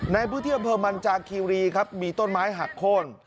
ในพื้นที่อำเภอมันจากคีรีครับมีต้นไม้หักโค้น